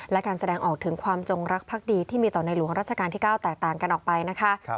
และการแสดงออกถึงความจงรักภักดีที่มีต่อในหลวงราชการที่๙แตกต่างกันออกไปนะคะ